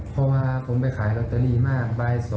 พอคนไปขายรัตเตอรี่มาก